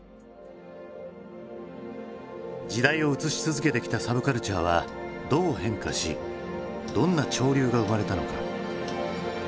時代を映し続けてきたサブカルチャーはどう変化しどんな潮流が生まれたのか？